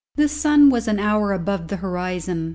The sun was an hour above the horizon.